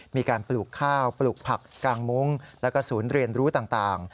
ปลูกข้าวปลูกผักกางมุ้งแล้วก็ศูนย์เรียนรู้ต่าง